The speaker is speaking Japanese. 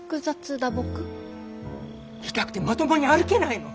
痛くてまともに歩けないの。